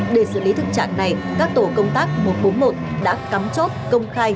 để xử lý thực trạng này các tổ công tác một trăm bốn mươi một đã cắm chốt công khai